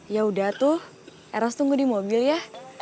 yaudah tuh eros tunggu di mobil ya